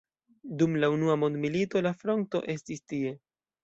Dum la unua mondmilito la fronto estis tie.